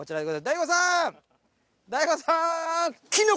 大悟さん。